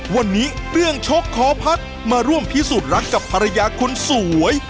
วันนี้เรื่องชกขอพักมาร่วมพิสูจน์รักกับภรรยาคนสวย